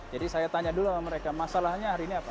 jadi saya tanya dulu sama mereka masalahnya hari ini apa